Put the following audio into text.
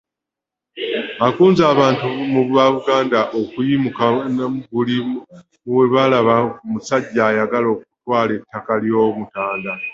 Akunze abantu ba Buganda okuyimukiramu buli we balaba ku musajja ayagala okutwala ettaka ly’Omutanda.